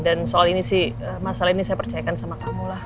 dan soal ini sih masalah ini saya percayakan sama kamu lah